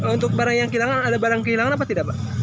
untuk barang yang kehilangan ada barang kehilangan apa tidak pak